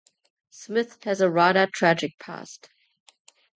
Smith has a rather tragic past.